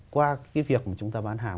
qua cái việc mà chúng ta bán hàng